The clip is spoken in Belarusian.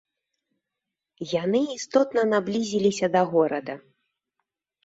Яны істотна наблізіліся да горада.